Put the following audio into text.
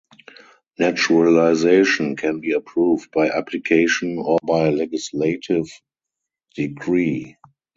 Naturalization can be approved by application or by legislative decree.